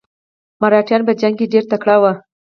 مراتیان په جنګ کې ډیر تکړه وو.